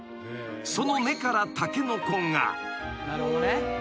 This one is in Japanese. ［その根からタケノコが］